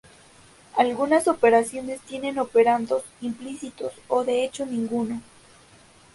Algunas operaciones tienen operandos implícitos, o de hecho ninguno.